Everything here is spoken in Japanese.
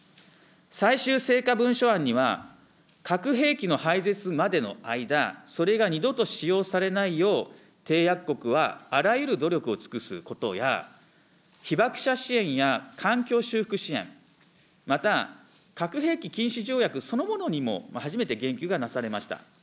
最終成果文書案には、核兵器の廃絶までの間、それが二度と使用されないよう、締約国はあらゆる努力を尽くすことや、被爆者支援や環境修復支援、また核兵器禁止条約そのものにも初めて言及がなされました。